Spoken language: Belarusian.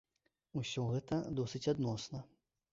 Усё гэта досыць адносна.